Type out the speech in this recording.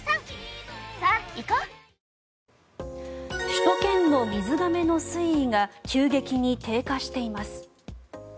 首都圏の水がめの水位が急激に低下しています。